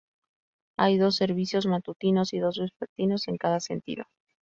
Hay dos servicios matutinos y dos vespertinos en cada sentido.